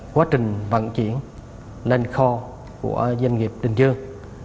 quá trình vận chuyển lên kho của doanh nghiệp bình dương